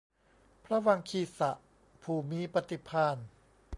พระวังคีสะ ผู้มีปฏิภาณ